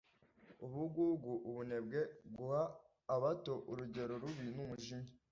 Ubugugu, ubunebwe, guha abato urugero rubi n’umujinya.